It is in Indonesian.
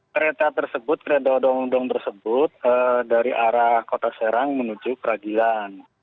kereta tersebut kereta odong odong tersebut dari arah kota serang menuju keragilan